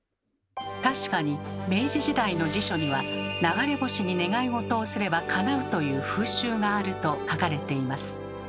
確かに明治時代の辞書には「流れ星に願いごとをすればかなう」という風習があると書かれています。